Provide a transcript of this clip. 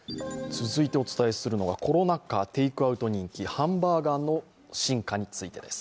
続いてお伝えするのは、コロナ禍、テイクアウト人気ハンバーガーの進化についてです。